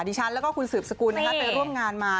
ดิฉันแล้วก็คุณสืบสกุลไปร่วมงานมา